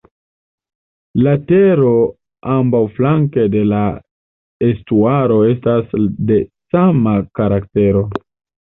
La tero ambaŭflanke de la estuaro estas de sama karaktero.